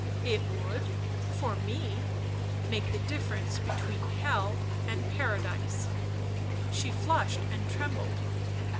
" It would — for me — make the difference between hell and paradise." She flushed and trembled.